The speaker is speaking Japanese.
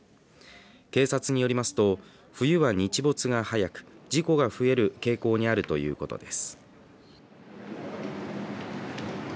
警察によりますと冬は日没が早く事故が増える傾向にあるということです。